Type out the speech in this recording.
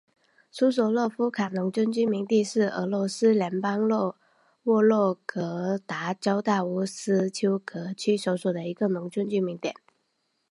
苏索洛夫卡农村居民点是俄罗斯联邦沃洛格达州大乌斯秋格区所属的一个农村居民点。